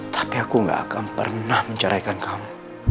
tapi aku gak akan pernah menceraikan kamu